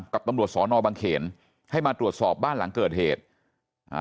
กับตำรวจสอนอบังเขนให้มาตรวจสอบบ้านหลังเกิดเหตุอ่า